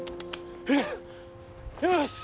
よし！